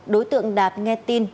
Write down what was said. đối tượng đạt nghe tin